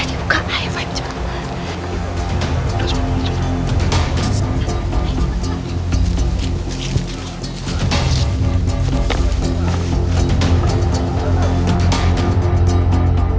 dibuka ayo fahim cepet